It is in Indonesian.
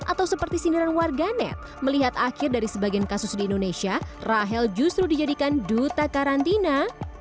atau seperti sindiran warganet melihat akhir dari sebagian kasus di indonesia rahel justru dijadikan duta karantina